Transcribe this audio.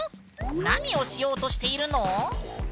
何をしようとしているの？